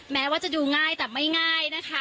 แม้ว่าจะดูง่ายแต่ไม่ง่ายนะคะ